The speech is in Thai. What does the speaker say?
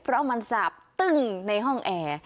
เพราะมันสาบตึ้งในห้องแอร์